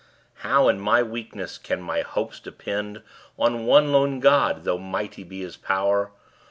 How in my weakness can my hopes depend On one lone God, though mighty be his pow'r?